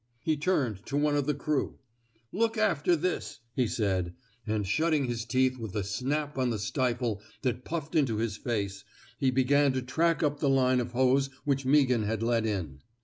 He turned to one of 233 THE SMOKJ] EATERS the crew. *' Look after this,*' he said; and, shutting his teeth with a snap on the stifle that puffed into his face, he began to track up the line of hose which Meaghan had led in.